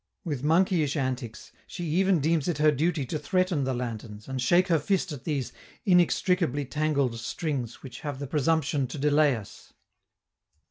With monkeyish antics, she even deems it her duty to threaten the lanterns and shake her fist at these inextricably tangled strings which have the presumption to delay us.